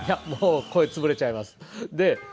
声、潰れちゃいます。